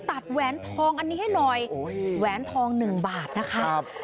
ตัดแหวนทองอันนี้ให้หน่อยโอ้ยแหวนทองหนึ่งบาทนะคะครับ